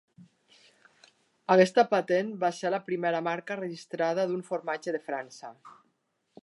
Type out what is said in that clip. Aquesta patent va ser la primera marca registrada d'un formatge de França.